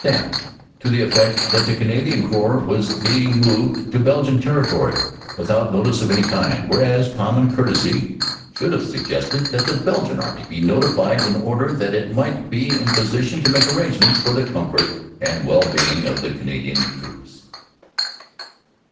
staff to the effect that the Canadian Corps was being moved to Belgian territory without notice of any kind, whereas common courtesy should have suggested that the Belgian Army be notified in order that it might be in a position to make arrangements for the comfort and well being of the Canadian troops.